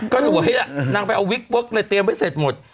ก็หลวยนั่งไปเอาวิกเวิกเลยเตรียมไว้เสร็จหมด